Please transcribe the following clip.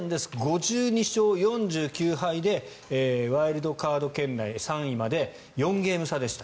５２勝４９敗でワイルドカード圏内３位まで４ゲーム差でした。